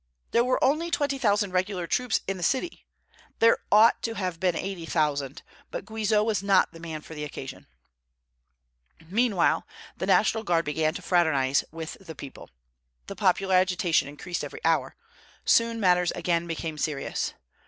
There were only twenty thousand regular troops in the city. There ought to have been eighty thousand; but Guizot was not the man for the occasion. Meanwhile the National Guard began to fraternize with the people. The popular agitation increased every hour. Soon matters again became serious.